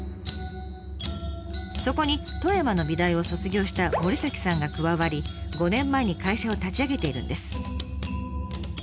そこに富山の美大を卒業した森さんが加わり５年前に会社を立ち上げているんです。